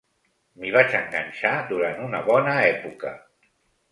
M'hi vaig enganxar durant una bona època.